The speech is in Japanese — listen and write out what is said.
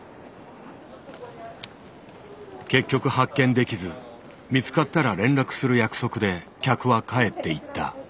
結局発見できず見つかったら連絡する約束で客は帰っていった。